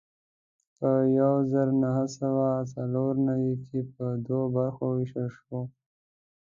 په یو زر نهه سوه څلور نوي کې په دوو برخو وېشل شو.